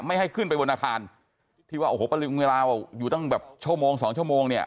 ให้ขึ้นไปบนอาคารที่ว่าโอ้โหประหนึ่งเวลาอยู่ตั้งแบบชั่วโมงสองชั่วโมงเนี่ย